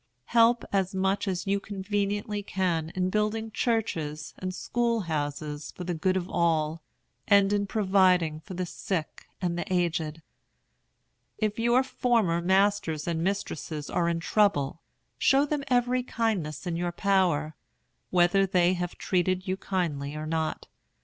Help as much as you conveniently can in building churches and school houses for the good of all, and in providing for the sick and the aged. If your former masters and mistresses are in trouble, show them every kindness in your power, whether they have treated you kindly or not.